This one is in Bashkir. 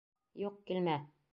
Юҡ, килмә!